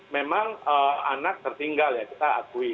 memang anak tertinggal ya kita akui